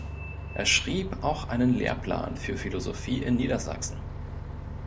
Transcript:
Er schrieb auch einen Lehrplan für Philosophie in Niedersachsen.